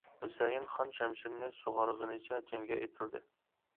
ھۈسەيىن خان شەمشىرىنى سۇغارغىنىچە جەڭگە ئېتىلدى.